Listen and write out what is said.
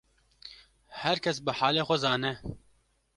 Her kes bi halê xwe zane